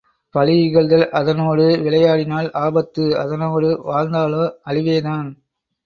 பழி இகழ்தல் அதனோடு விளையாடினால் ஆபத்து அதனோடு வாழ்ந்தாலோ அழிவேதான்.